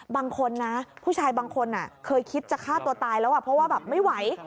บางคนนะผู้ชายบางคนเคยคิดจะฆ่าตัวตายแล้วเพราะว่าแบบไม่ไหว